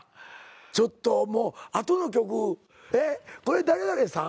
ちょっともう後の曲えっこれ誰々さん？